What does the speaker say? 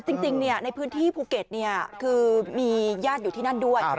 จริงในพื้นที่ภูเก็ตคือมีญาติอยู่ที่นั่นด้วย